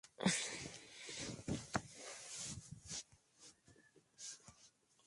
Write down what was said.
Elementos estos sobre los que emanan diferentes momentos musicales que nunca más serán interpretados.